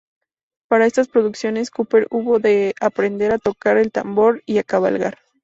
Para estas producciones Cooper hubo de aprender a tocar el tambor y a cabalgar.